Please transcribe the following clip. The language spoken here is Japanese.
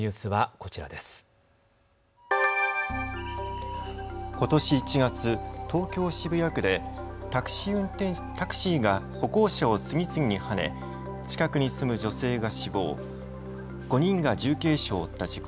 ことし１月、東京渋谷区でタクシーが歩行者を次々にはね近くに住む女性が死亡、５人が重軽傷を負った事故。